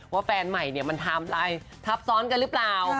ว่าแฟนใหม่มันทำอะไรทับซ้อนกันหรือเปล่า